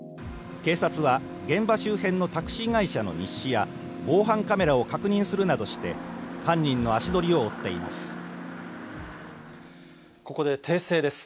警察は、現場周辺のタクシー会社の日誌や、防犯カメラを確認するなどして、犯人の足取りを追ここで訂正です。